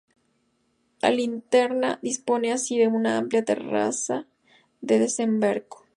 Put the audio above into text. La linterna dispone así de una amplia terraza de desembarco.